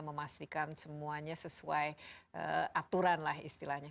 memastikan semuanya sesuai aturan lah istilahnya